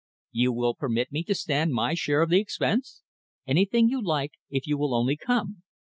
"You will permit me to stand my share of the expense?" "Anything you like if you will only come."